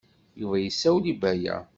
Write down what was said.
Yuba yessawel i Baya.